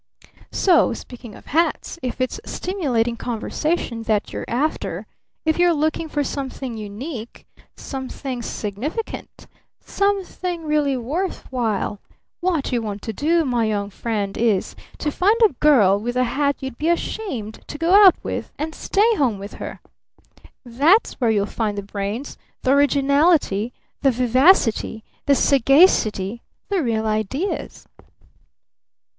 "So, speaking of hats, if it's stimulating conversation that you're after, if you're looking for something unique, something significant, something really worth while what you want to do, my young friend, is to find a girl with a hat you'd be ashamed to go out with and stay home with her! That's where you'll find the brains, the originality, the vivacity, the sagacity, the real ideas!"